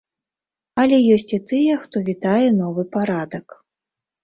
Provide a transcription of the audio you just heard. Але ёсць і тыя, хто вітае новы парадак.